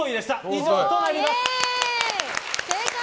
以上となります。